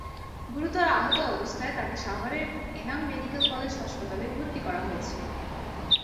গুরুতর আহত অবস্থায় তাকে সাভারের এনাম মেডিকেল কলেজ হাসপাতালে ভর্তি করা হয়েছে।